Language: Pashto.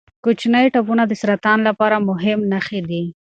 کوچني ټپونه د سرطان لپاره مهم نښې دي.